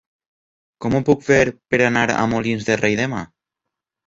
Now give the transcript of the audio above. Com ho puc fer per anar a Molins de Rei demà?